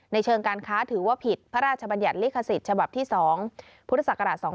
ในเชิงการค้าถือว่าผิดพระราชบัญญัติลิขสิทธิ์ฉพศ๒๕๕๘